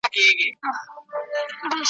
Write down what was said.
جهاني,